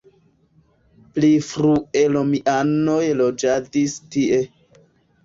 Pli frue romianoj loĝadis tie.